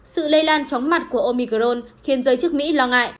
sự lây lan chóng mặt của omicron khiến giới chức mỹ lo ngại